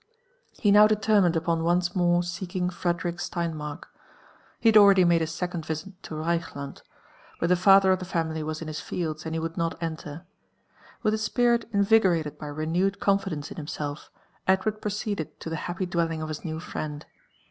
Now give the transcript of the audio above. He now determined upon once more seeking Frederick Steinmark. He had already made a second visit to Reichland ; but the father of the family was in his fields, and he would not enter. With a spirit invigo rated by renewed confidence in himself, Edward proceeded to the happy dwelling of his new friend.